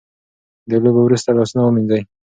د لوبو وروسته لاسونه ومینځئ.